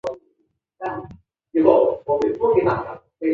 独立发展后把其原名吴家颖改用艺名吴雨霏。